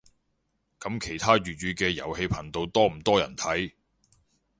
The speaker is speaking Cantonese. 噉其他粵語嘅遊戲頻道多唔多人睇